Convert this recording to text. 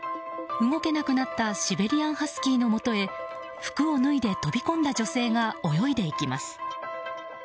動けなくなったシベリアンハスキーのもとへ服を脱いで飛び込んだ女性が泳いでいきます。